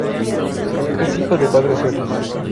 Es hijo de padres suecos.